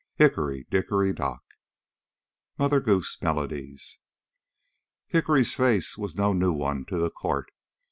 Hickory, dickory, dock! MOTHER GOOSE MELODIES. HICKORY'S face was no new one to the court.